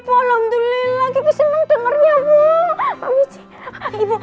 alhamdulillah kikis seneng dengarnya